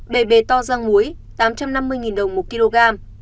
bề bề to răng muối tám trăm năm mươi đồng một kg